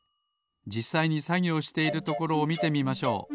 じっさいにさぎょうしているところをみてみましょう。